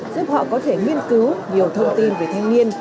giúp họ có thể nghiên cứu nhiều thông tin về thanh niên